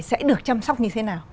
sẽ được chăm sóc như thế nào